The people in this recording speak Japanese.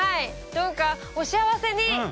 どうかお幸せに。